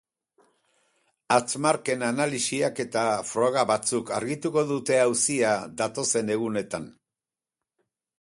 Hatz-marken analisiak eta froga batzuk argituko dute auzia datozen egunetan.